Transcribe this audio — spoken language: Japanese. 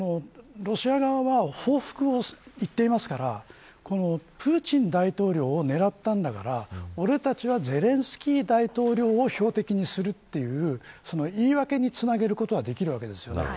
もう一つはロシア側は、報復をと言っていますからプーチン大統領を狙ったんだから俺たちはゼレンスキー大統領を標的にするという言い訳につなげることはできるわけです。